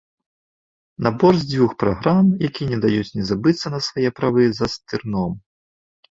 Набор з дзвюх праграм, якія не даюць не забыцца на свае правы за стырном.